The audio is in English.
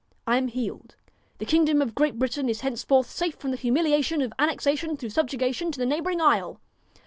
I am healed. The kingdom of Great Britain is henceforth safe from the humiliation of annexation through subjugation to the neighbouring isle.'